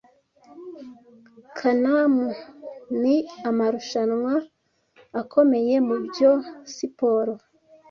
CANAM ni amarushanwa akomeye mubyo 'siporo'